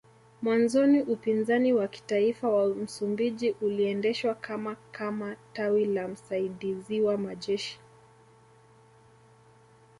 Mwanzoni Upinzani wa Kitaifa wa Msumbiji uliendeshwa kama kama tawi la msaidiziwa majeshi